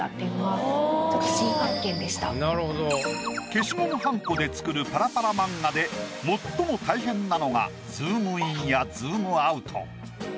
消しゴムはんこで作るパラパラ漫画で最も大変なのがズームインやズームアウト。